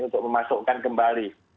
untuk memasukkan kembali